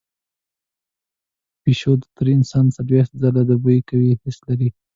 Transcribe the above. پیشو تر انسان څلوېښت ځله د بوی قوي حس لري.